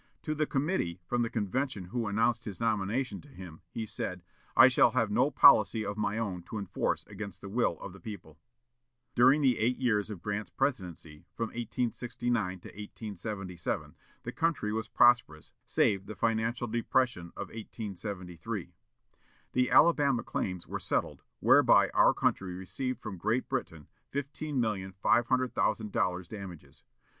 To the committee from the convention who announced his nomination to him, he said, "I shall have no policy of my own to enforce against the will of the people." During the eight years of Grant's presidency, from 1869 to 1877, the country was prosperous, save the financial depression of 1873. The Alabama claims were settled, whereby our country received from Great Britain fifteen million five hundred thousand dollars damages.